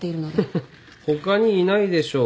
ハハッ他にいないでしょう。